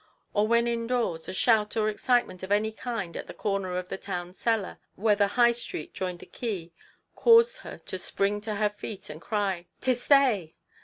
Or when indoors, a shout or excitement of any kind at the corner of the Town Cellar, where the High Street joined the Quay, caused her to spring to her feet and cry :" 'Tis they